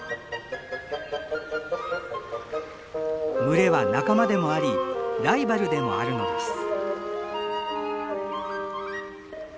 群れは仲間でもありライバルでもあるのです。